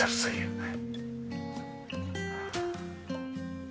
はい。